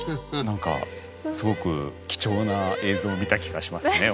何かすごく貴重な映像を見た気がしますね